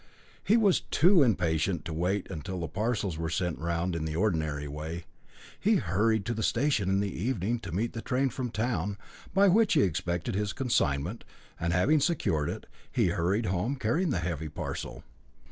He was too impatient to wait till the parcels were sent round in the ordinary way. He hurried to the station in the evening, to meet the train from town, by which he expected his consignment; and having secured it, he hurried home, carrying the heavy parcel.